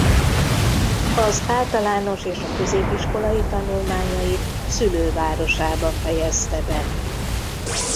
Az általános és a középiskolai tanulmányait szülővárosában fejezte be.